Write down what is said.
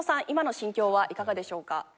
今の心境はいかがでしょうか？